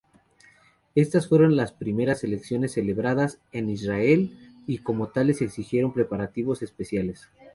Estas fueron las primeras elecciones celebradas en Israel, y como tales exigieron preparativos especiales.